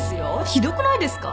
ひどくないですか？